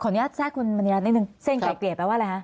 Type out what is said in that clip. อนุญาตแทรกคุณมณีรัฐนิดนึงเส้นไก่เกลียดแปลว่าอะไรคะ